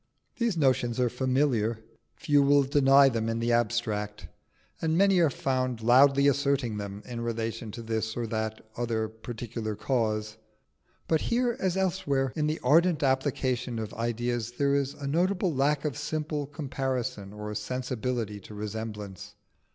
These notions are familiar: few will deny them in the abstract, and many are found loudly asserting them in relation to this or the other particular case. But here as elsewhere, in the ardent application of ideas, there is a notable lack of simple comparison or sensibility to resemblance.